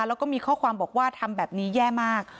แล้วก็มีข้อความบอกว่าทำแบบนี้แย่มาก